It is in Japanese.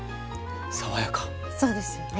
そうですよね。